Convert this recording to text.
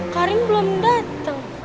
karing belum dateng